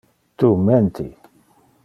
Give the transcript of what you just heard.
Tu menti!